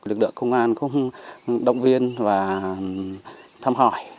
lực lượng công an cũng động viên và thăm hỏi